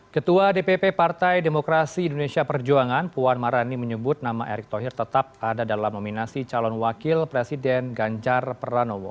ketua dpp partai demokrasi indonesia perjuangan puan marani menyebut nama erick thohir tetap ada dalam nominasi calon wakil presiden ganjar pranowo